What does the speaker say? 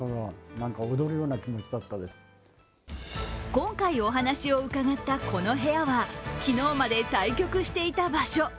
今回、お話を伺ったこの部屋は昨日まで対局していた場所。